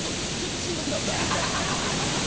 慎んでください。